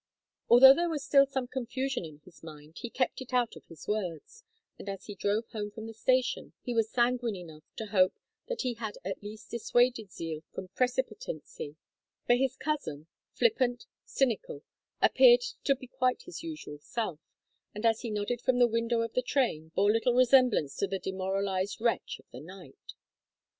Although there was still some confusion in his mind, he kept it out of his words, and as he drove home from the station he was sanguine enough to hope that he had at least dissuaded Zeal from precipitancy; for his cousin, flippant, cynical, appeared to be quite his usual self, and as he nodded from the window of the train bore little resemblance to the demoralized wretch of the night.